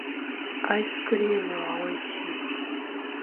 アイスクリームはおいしい